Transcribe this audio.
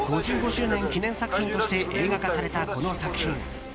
５５周年記念作品として映画化されたこの作品。